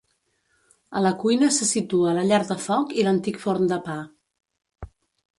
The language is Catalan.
A la cuina se situa la llar de foc i l'antic forn de pa.